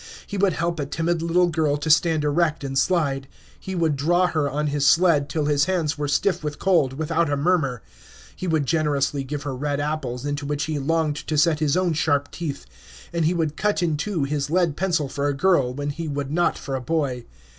He would help a timid little girl to stand erect and slide; he would draw her on his sled, till his hands were stiff with cold, without a murmur; he would generously give her red apples into which he longed to set his own sharp teeth; and he would cut in two his lead pencil for a girl, when he would not for a boy.